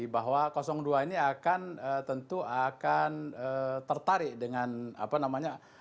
bahwa dua ini akan tentu akan tertarik dengan apa namanya